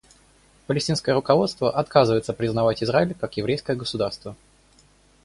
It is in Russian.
Палестинское руководство отказывается признавать Израиль как еврейское государство.